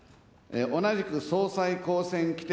同じく総裁公選規程